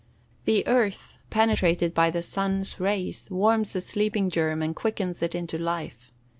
The earth, penetrated by the sun's rays, warms the sleeping germ, and quickens it into life.